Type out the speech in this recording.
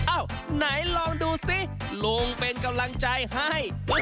ไหนลองดูซิลุงเป็นกำลังใจให้